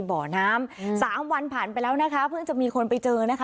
บ่อน้ำสามวันผ่านไปแล้วนะคะเพิ่งจะมีคนไปเจอนะคะ